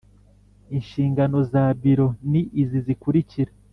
Inshingano za biro ni izi zikurikira